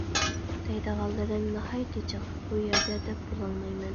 دەيدىغانلىرىم ناھايىتى جىق، بۇ يەردە دەپ بولالمايمەن.